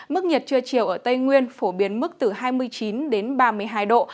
mức nhiệt trưa chiều ở tây nguyên phổ biến mức từ hai mươi chín đến ba mươi hai độ